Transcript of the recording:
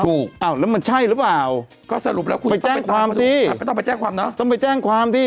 หรือเปล่านมันใช่รึเปล่าก็แล้วมันคุณไปแจ้งความสิต้องมาแจ้งความไม่ว่ามุ่นแจ้งความสิ